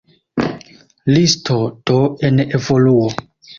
Listo, do, en evoluo.